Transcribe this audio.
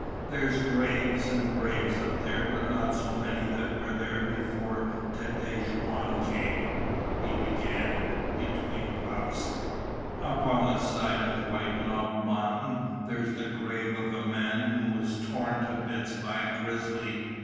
"There's graves an' graves up there, but not so many that were there before Tête Jaune came," he began, between puffs. "Up on the side of White Knob Mountain there's the grave of a man who was torn to bits by a grizzly.